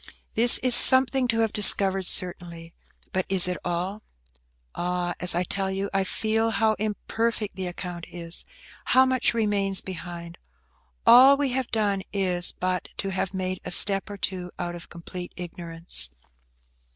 This is something to have discovered, certainly, but is it all? Ah! as I tell it, I feel how imperfect the account is–how much remains behind. All we have done is but to have made a step or two out of complete ignorance.